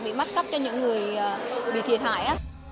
bị mất cấp cho những người bị thiệt hại